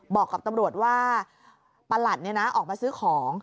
บอกกับตำรวจว่าประหลัดออกมาซื้อของ